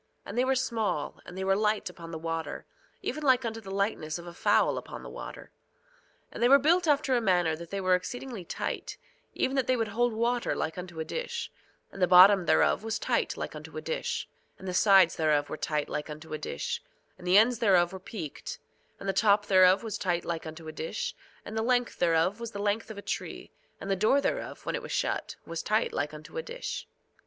And they were small, and they were light upon the water, even like unto the lightness of a fowl upon the water. 2:17 And they were built after a manner that they were exceedingly tight, even that they would hold water like unto a dish; and the bottom thereof was tight like unto a dish; and the sides thereof were tight like unto a dish; and the ends thereof were peaked; and the top thereof was tight like unto a dish; and the length thereof was the length of a tree; and the door thereof, when it was shut, was tight like unto a dish.